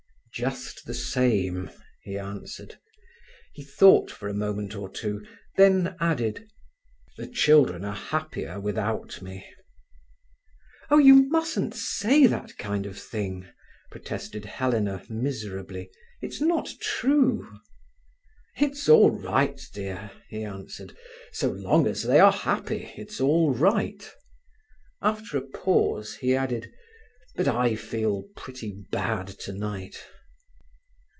"Just the same," he answered. He thought for a moment or two, then added: "The children are happier without me." "Oh, you mustn't say that kind of thing protested Helena miserably. "It's not true." "It's all right, dear," he answered. "So long as they are happy, it's all right." After a pause he added: "But I feel pretty bad tonight."